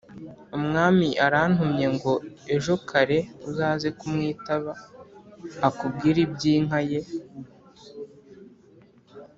umwami arantumye ngo ejo kare uzaze kumwitaba akubwire iby’inka ye,